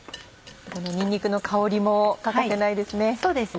このにんにくの香りも欠かせないですね。